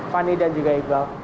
fani dan juga iqbal